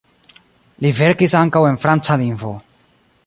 Li verkis ankaŭ en franca lingvo.